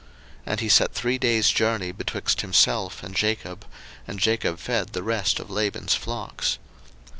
01:030:036 And he set three days' journey betwixt himself and Jacob: and Jacob fed the rest of Laban's flocks.